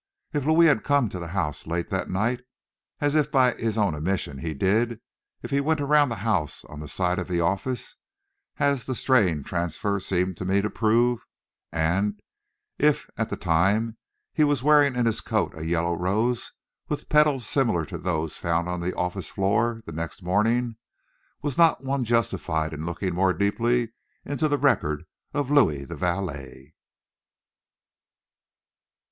If Louis came to the house late that night, as by his own admission he did; if he went around the house on the side of the office, as the straying transfer seemed to me to prove; and if, at the time, he was wearing in his coat a yellow rose with petals similar to those found on the office floor the next morning, was not one justified in looking more deeply into the record of Louis the valet?